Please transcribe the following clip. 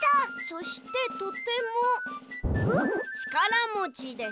「そしてとてもちからもちです」。